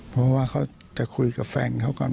เพราะว่าเขาจะคุยกับแฟนเขาก่อน